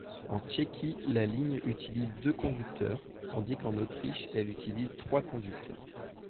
En Tchéquie, la ligne utilise deux conducteurs, tandis qu'en Autriche elle utilise trois conducteurs.